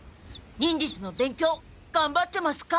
「忍術の勉強がんばってますか？」